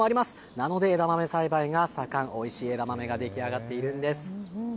なので、枝豆栽培が盛ん、おいしい枝豆が出来上がっているんです。